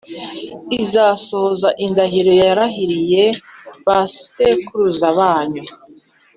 izasohoza indahiro yarahiye ba sekuruza banyu